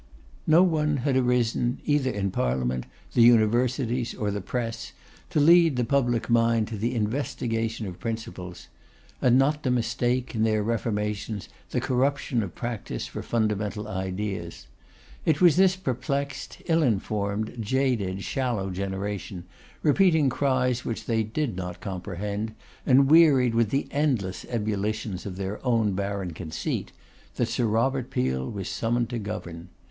No one had arisen either in Parliament, the Universities, or the Press, to lead the public mind to the investigation of principles; and not to mistake, in their reformations, the corruption of practice for fundamental ideas. It was this perplexed, ill informed, jaded, shallow generation, repeating cries which they did not comprehend, and wearied with the endless ebullitions of their own barren conceit, that Sir Robert Peel was summoned to govern.